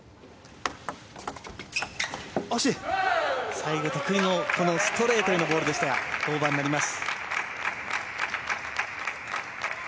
最後、得意のストレートへのボールでしたがオーバーになります。